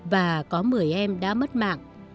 và có một mươi em đã mất mạng